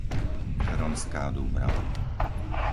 Hronská Dúbrava